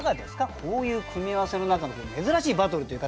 こういう組み合わせの中の珍しいバトルという形になりましたけども。